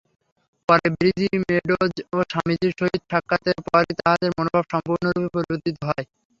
পরে ব্রীজি মেডোজ-এ স্বামীজীর সহিত সাক্ষাতের পরই তাঁহার মনোভাব সম্পূর্ণরূপে পরিবর্তিত হয়।